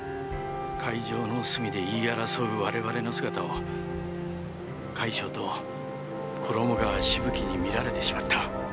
会場の隅で言い争う我々の姿を快笑と衣川しぶきに見られてしまった。